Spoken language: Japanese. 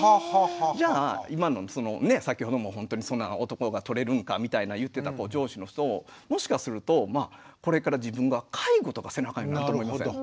じゃあ先ほどもほんとに男がとれるんかみたいな言ってた上司の人ももしかするとこれから自分が介護とかせなあかんようになると思いません？